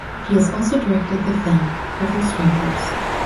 He also directed the film "Perfect Strangers".